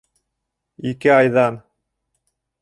Ике айҙан!